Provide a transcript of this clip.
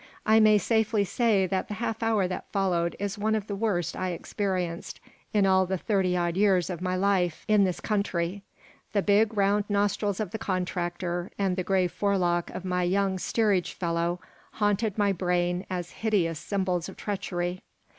I may safely say that the half hour that followed is one of the worst I experienced in all the thirty odd years of my life in this country The big, round nostrils of the contractor and the gray forelock of my young steerage fellow haunted my brain as hideous symbols of treachery.